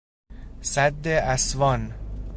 سد اسوان